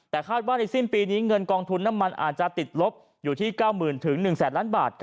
แต่คาดว่าในสิ้นปีนี้เงินกองทุนน้ำมันอาจจะติดลบอยู่ที่๙๐๐๑๐๐๐ล้านบาท